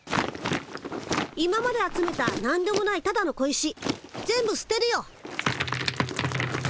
今まで集めたなんでもないただの小石全部すてるよ。